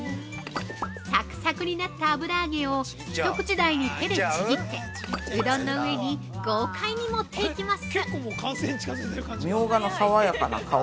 ◆サクサクになった油揚げを一口大に手でちぎって、うどんの上に豪快に盛っていきます